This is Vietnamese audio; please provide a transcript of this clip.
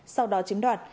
sau đó chiếm đoạt